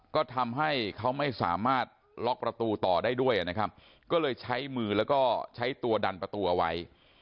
ก็ทำให้เขาไม่สามารถล็อกประตูต่อได้ด้วยนะครับก็เลยใช้มือแล้วก็ใช้ตัวดันประตูเอาไว้